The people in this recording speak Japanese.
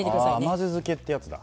甘酢漬けってやつだ。